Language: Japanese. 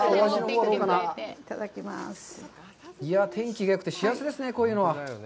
いや天気がよくて幸せですね、こういうのは。